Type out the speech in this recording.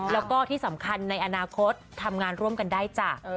แล้วก็ที่สำคัญในอนาคตทำงานร่วมกันได้จ้ะ